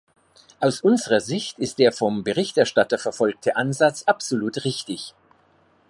Aus unserer Sicht ist der vom Berichterstatter verfolgte Ansatz absolut richtig.